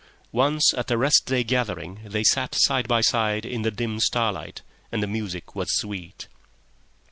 Once at a rest day gathering they sat side by side in the dim starlight, and the music was sweet.